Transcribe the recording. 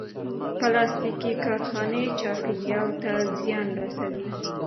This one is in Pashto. پلاستيکي کارخانې چاپېریال ته زیان رسوي.